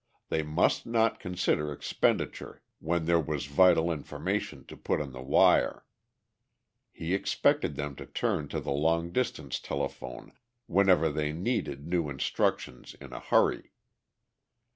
They must not consider expenditure when there was vital information to put on the wire. He expected them to turn to the long distance telephone whenever they needed new instructions in a hurry.